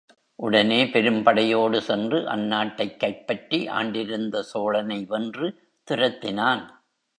உடனே பெரும் படையோடு சென்று, அந்நாட்டைக் கைப்பற்றி ஆண்டிருந்த சோழனை வென்று துரத்தினான்.